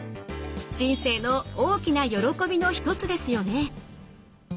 人生の大きな喜びの一つですよね。